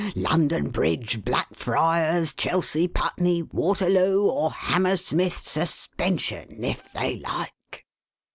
London Bridge, Blackfriars, Chelsea, Putney, Waterloo, or Hammersmith Suspension — if they like